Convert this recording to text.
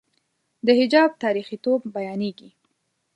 د حجاب تاریخيتوب بیانېږي.